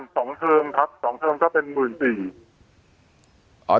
๒เทิมครับ๒เทิมก็เป็น๑๔๐๐๐